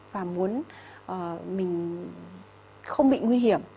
và muốn mình không bị nguy hiểm